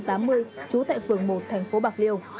trú tại phường một thành phố bạc liêu